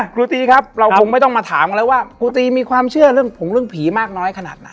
ครูตีครับเราคงไม่ต้องมาถามกันแล้วว่าครูตีมีความเชื่อเรื่องผงเรื่องผีมากน้อยขนาดไหน